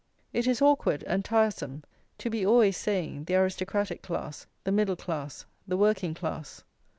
It is awkward and tiresome to be always saying the aristocratic class, the middle class, the working class.